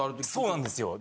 そうなんですよ。